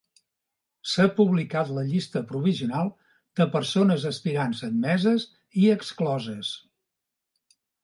S'ha publicat la llista provisional de persones aspirants admeses i excloses.